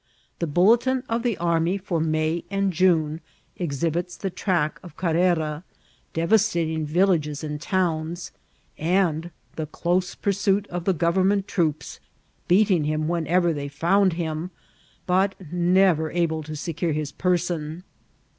The bulletin of the army for May and June exhibits the tcack of Ctfrera, devastating viUagea and towns, and the dose porsnit of the govemnent troops, beating him wherever they found him, but never able to secure his person.